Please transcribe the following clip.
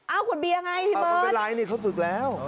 อ้าวขวดเบียร์ไงพี่เบิร์ตอ้าวมันเป็นไรนี่เขาฝึกแล้ว